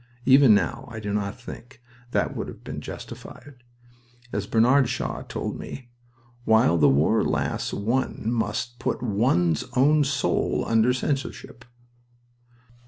Even now I do not think that would have been justified. As Bernard Shaw told me, "while the war lasts one must put one's own soul under censorship."